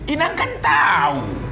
inang kan tahu